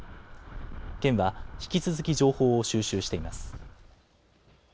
県は引き続き情報を収集しています。